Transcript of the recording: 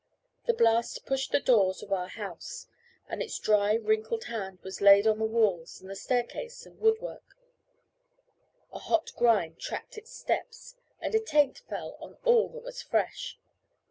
The blast pushed the doors of our house, and its dry wrinkled hand was laid on the walls and the staircase and woodwork; a hot grime tracked its steps, and a taint fell on all that was fresh.